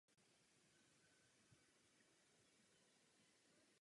Její interiér tvoří kamenný oltář a jednoduchý kříž.